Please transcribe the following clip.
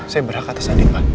saya berhak atas andin pak